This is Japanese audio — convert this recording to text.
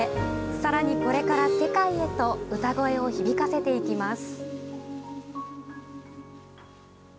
さらに、これから世界へと歌声を響かせていきます。